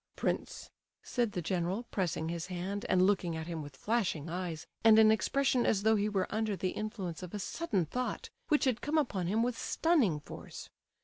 "Prince," said the general, pressing his hand, and looking at him with flashing eyes, and an expression as though he were under the influence of a sudden thought which had come upon him with stunning force.